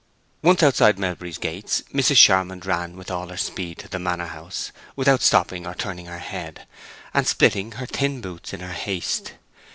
Once outside Melbury's gates Mrs. Charmond ran with all her speed to the Manor House, without stopping or turning her head, and splitting her thin boots in her haste.